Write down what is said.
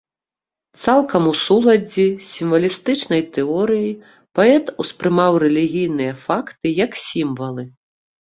Цалкам у суладдзі з сімвалістычнай тэорыяй паэт успрымаў рэлігійныя факты як сімвалы.